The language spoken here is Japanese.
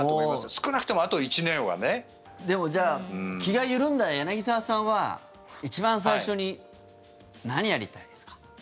少なくとも、あと１年はね。じゃあ気が緩んだら柳澤さんは一番最初に何やりたいですか？